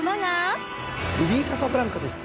ルビーカサブランカです。